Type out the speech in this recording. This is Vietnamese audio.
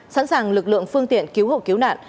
sẵn sàng lực lượng phương tiện cứu hộ cứu nạn